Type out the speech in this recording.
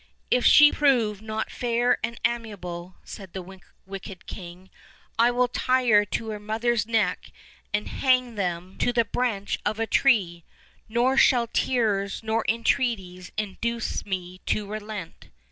"If she prove not fair and amiable," said the wicked king, "I will tie her to her mother's neck and hang them 228 OLD, OLD FAIRY TALES. to the branch of a tree, nor shall tears or entreaties induce me to relent."